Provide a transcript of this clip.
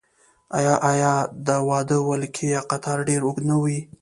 آیا د واده ولکۍ یا قطار ډیر اوږد نه وي؟